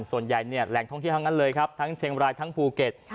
ส่วนใหญ่เนี่ยแหล่งท่องเที่ยวทั้งนั้นเลยครับทั้งเชียงบรายทั้งภูเก็ต